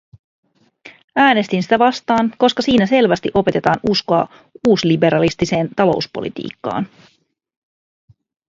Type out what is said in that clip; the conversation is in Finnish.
Äänestin sitä vastaan, koska siinä selvästi opetetaan uskoa uusliberalistiseen talouspolitiikkaan.